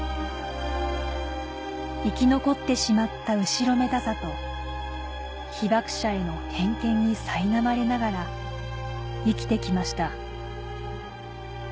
生き残ってしまった後ろめたさと被爆者への偏見にさいなまれながら生きてきました